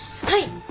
はい。